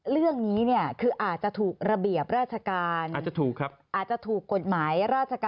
เรื่องนี้คืออาจจะถูกระเบียบราชการ